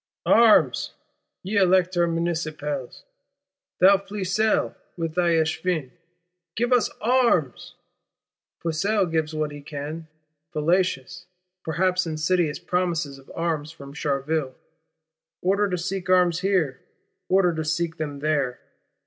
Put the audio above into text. Arms, ye Elector Municipals; thou Flesselles with thy Echevins, give us arms! Flesselles gives what he can: fallacious, perhaps insidious promises of arms from Charleville; order to seek arms here, order to seek them there.